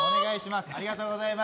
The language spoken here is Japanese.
ありがとうございます。